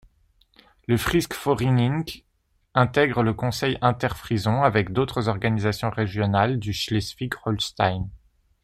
Le Friisk Foriining intègre le Conseil interfrison avec d'autres organisations régionales du Schleswig-Holstein.